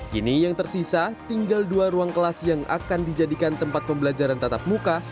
kini yang tersisa tinggal dua ruang kelas yang akan dijadikan tempat pembelajaran tatap muka